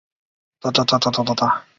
然蜀中亦为嘉州者有香而朵大。